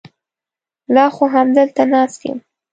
لا خو همدلته ناست یم.